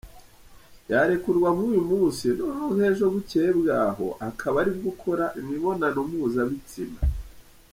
Yarekurwa nk’uyu munsi, noneho nk’ejo bukeye bwaho akaba aribwo ukora imibonano mpuzabitsina.